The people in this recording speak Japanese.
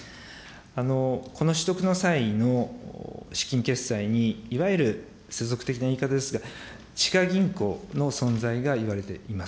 この取得の際の資金決済に、いわゆる世俗的な言い方ですが、地下銀行の存在がいわれています。